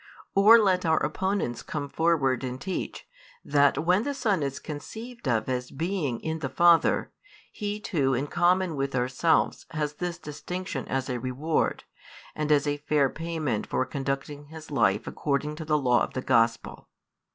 Or let our opponents come forward and teach, that when the Son is conceived of as being in the Father, He too in common with ourselves has this distinction as a reward, and as a fair payment for conducting His life according to the law of the Gospel.